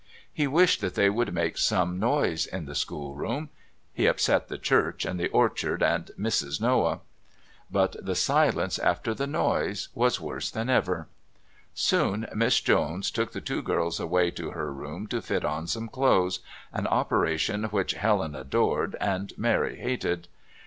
He wished that they would make more noise in the schoolroom. He upset the church and the orchard and Mrs. Noah. But the silence after the noise was worse than ever. Soon Miss Jones took the two girls away to her room to fit on some clothes, an operation which Helen adored and Mary hated.